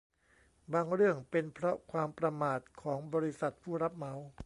บางเรื่องเป็นเพราะความประมาทของบริษัทผู้รับเหมา